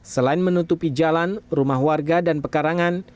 selain menutupi jalan rumah warga dan pekarangan